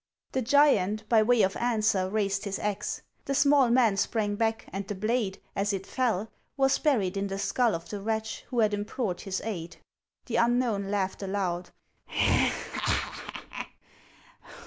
The giant, by way of answer, raised his axe. The small man sprang back, and the blade, as it fell, was buried in the skull of the wretch who had implored his aid. The unknown laughed aloud.